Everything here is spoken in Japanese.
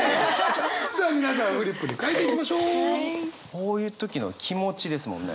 こういう時の気持ちですもんね。